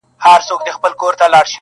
هم له پنده څخه ډکه هم ترخه ده!.